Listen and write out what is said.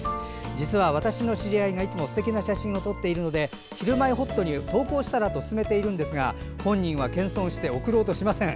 実は私の知り合いがいつもすてきな写真を撮っているので「ひるまえほっと」に投稿したらと勧めているんですが本人は謙遜して送ろうとしません。